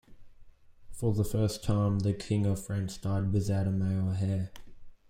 For the first time, the king of France died without a male heir.